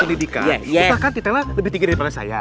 pendidikan kita kan titelnya lebih tinggi daripada saya